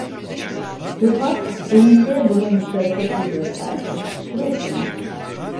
Rifat önünde bulundukları kapıyı gösterdi: "Burası mı?"